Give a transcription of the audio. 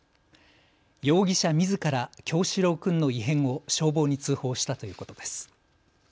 容疑者みずから叶志郎君の異変を消防に通報したということです。